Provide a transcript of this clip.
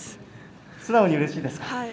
素直にうれしいですか。